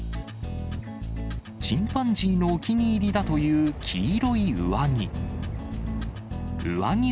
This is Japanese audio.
チンパンジーのお気に入りだという黄色い上着。